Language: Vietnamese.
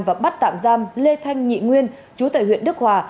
và bắt tạm giam lê thanh nhị nguyên chú tại huyện đức hòa